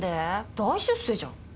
大出世じゃん。